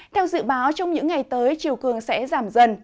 theo dự báo trong những ngày tới chiều cường sẽ giảm dần